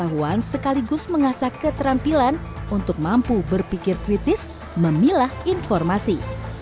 dan juga bisa membuat pengetahuan sekaligus mengasah keterampilan untuk mampu berpikir kritis memilah informasi